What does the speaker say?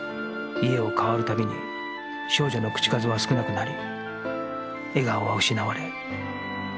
家を替わるたびに少女の口数は少なくなり笑顔は失われ